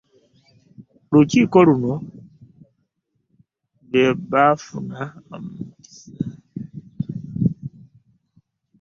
Mu lukiiko luno, bafuna omukisa okugonjoola ensonga zonna aga obutakkaanya n'emirerembe emirala.